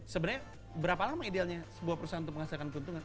sebenarnya berapa lama idealnya sebuah perusahaan untuk menghasilkan keuntungan